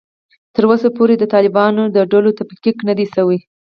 تر اوسه پورې د طالبانو د ډلو تفکیک نه دی شوی